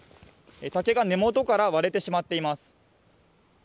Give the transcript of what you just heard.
竹が根元から割れてしまっています。